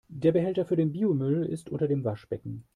Der Behälter für den Biomüll ist unter dem Waschbecken.